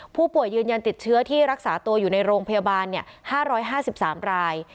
ยืนยันติดเชื้อที่รักษาตัวอยู่ในโรงพยาบาล๕๕๓ราย